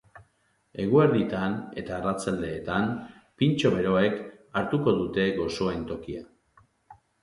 Eguerditan eta arratsaldeetan, pintxo beroek hartuko dute gozoen tokia.